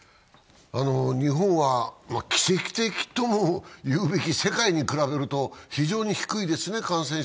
日本は奇跡的とも言うべき、世界に比べると、感染者が非常に低いですね。